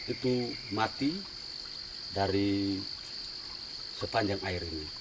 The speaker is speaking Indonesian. itu mati dari sepanjang air ini